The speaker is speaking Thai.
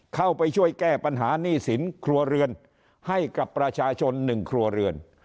เข้าไปช่วยแก้ปัญหาหนี้สินครัวเรือนให้กับประชาชน๑ครัวเรือน